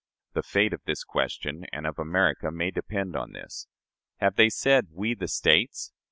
The fate of this question and of America may depend on this. Have they said, We, the States?